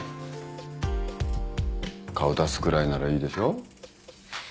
顔出すくらいならいいでしょ。